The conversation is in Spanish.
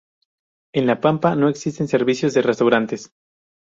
En La Pampa no existen servicios de restaurantes.